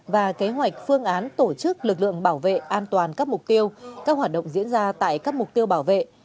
và kế hoạch phương án tổ chức lực lượng bảo vệ an toàn các mục tiêu các hoạt động diễn ra tại các mục tiêu bảo vệ